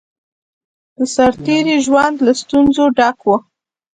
د سرتېری ژوند له ستونزو ډک وو